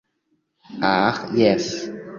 Aĥ jes.